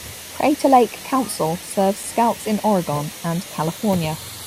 Crater Lake Council serves Scouts in Oregon and California.